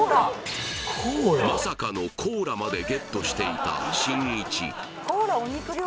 まさかのコーラまでゲットしていたしんいち